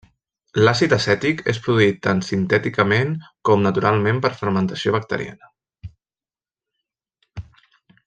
L'àcid acètic és produït tant sintèticament com naturalment per fermentació bacteriana.